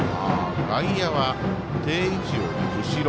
外野は定位置より後ろ。